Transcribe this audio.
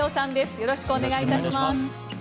よろしくお願いします。